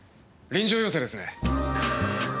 臨場要請です」